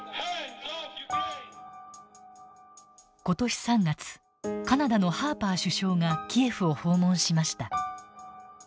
今年３月カナダのハーパー首相がキエフを訪問しました。